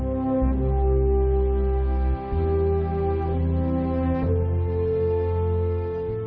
พ่อหรือพ่อบอกว่าต้องกว้าง